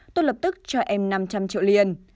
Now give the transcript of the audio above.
tôi lập tức cho em năm trăm linh triệu liền